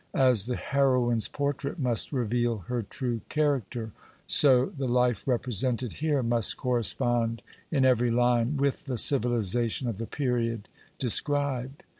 As the heroine's portrait must reveal her true character, so the life represented here must correspond in every line with the civilization of the period described.